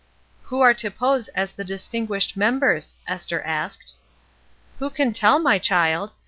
''Who are to pose as the distinguished mem bers?" Esther asked. ''Who can tell, my child?